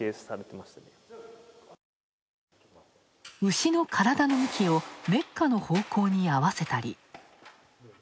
牛の体の向きを、メッカの方向に合わせたり。